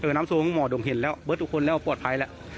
นำโซงห้องหมอโด่งเห็นแล้วเบิ้ลทุกคนแล้วปลอดภัยแล้ว